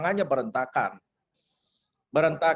nah ini memang kita lihat pelaksanaan otonomi khusus selama ini